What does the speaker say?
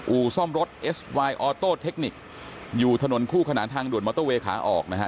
อู่ซ่อมรถเอสวายออโต้เทคนิคอยู่ถนนคู่ขนานทางด่วนมอเตอร์เวย์ขาออกนะฮะ